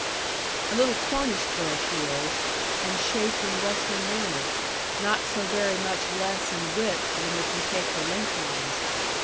'A little Cornish girl she is, and shaped in western manner, not so very much less in width than if you take her lengthwise.